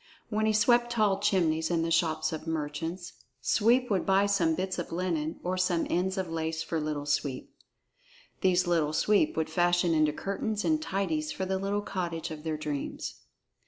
When he swept tall chimneys in the shops of merchants, Sweep would buy some bits of linen or some ends of lace for Little Sweep. These Little Sweep would fashion into curtains and tidies for the little cottage of their dreams.